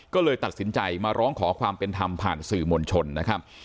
ก็เลยตัดสินใจมาร้องขอความเป็นธรรมผ่านสื่อมวลชนนะครับ